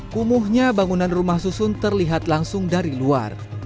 kumuhnya bangunan rumah susun terlihat langsung dari luar